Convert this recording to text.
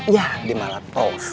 yah dia malah tos